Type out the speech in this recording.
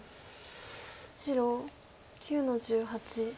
白９の十八。